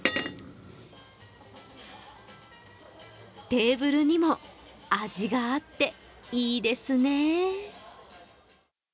テーブルにも味があっていいですね。